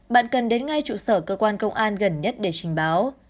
bạn cần đến ngay trụ sở cơ quan công an gần nhất để trình báo